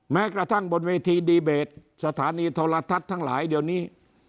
แม้กระทั่งบนเวทีดีเบตสถานีโทรทัศน์ทั้งหลายเดี๋ยวนี้